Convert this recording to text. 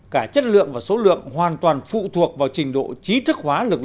cả chất lượng và số lượng hoàn toàn phụ thuộc vào trình độ trí thức hóa lực